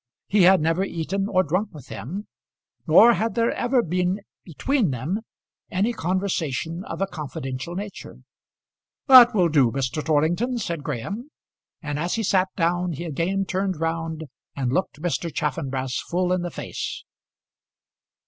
He had never eaten or drunk with him, nor had there ever been between them any conversation of a confidential nature. "That will do, Mr. Torrington," said Graham; and as he sat down, he again turned round and looked Mr. Chaffanbrass full in the face.